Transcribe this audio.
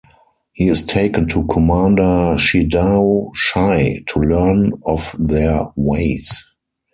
He is taken to Commander Shedao Shai to learn of their ways.